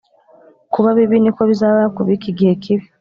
Kuba bibi ni ko bizaba ku b iki gihe kibi